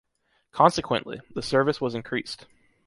Consequently, the service was increased.